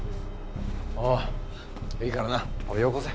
おういいからなあほれよこせ。